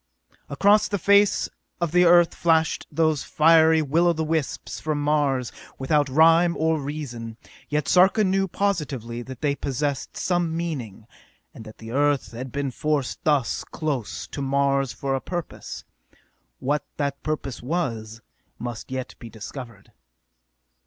Across the face of the Earth flashed those fiery will o' the wisps from Mars, without rhyme or reason; yet Sarka knew positively that they possessed some meaning, and that the Earth had been forced thus close to Mars for a purpose. What that purpose was must yet be discovered.